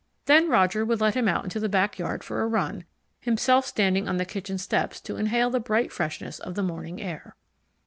Then Roger would let him out into the back yard for a run, himself standing on the kitchen steps to inhale the bright freshness of the morning air.